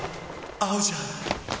合うじゃん！！